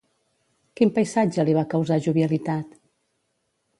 Quin paisatge li va causar jovialitat?